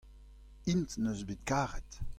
int neus bet karet.